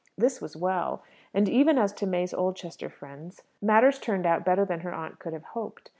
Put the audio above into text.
This was well. And even as to May's Oldchester friends matters turned out better than her aunt could have hoped.